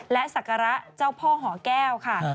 และศักระเจ้าพ่อหอแก้วค่ะ